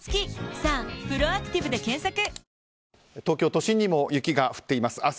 東京都心にも雪が降っています。